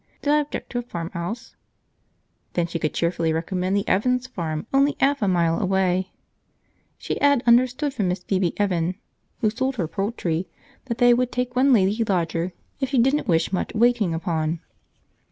Did I object to a farm 'ouse? Then she could cheerfully recommend the Evan's farm, only 'alf a mile away. She 'ad understood from Miss Phoebe Evan, who sold her poultry, that they would take one lady lodger if she didn't wish much waiting upon.